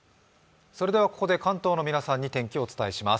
それではここで関東の皆さんに天気をお伝えします。